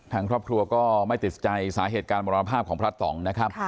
ทางครอบครัวก็ไม่ติดใจสาเหตุการมรณภาพของพระต่องนะครับ